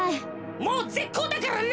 もうぜっこうだからな。